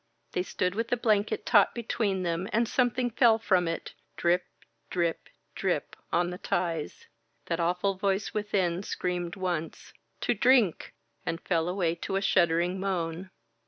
They stood with the blanket taut between them, and something fell from it, drip, drip, drip, on the ties. That awful voice within screamed once, "To drink !" and fell away to a shuddering moan.